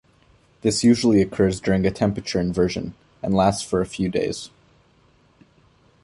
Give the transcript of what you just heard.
This usually occurs during a temperature inversion, and lasts for a few days.